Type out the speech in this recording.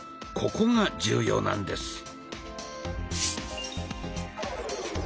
ここが重要なんです。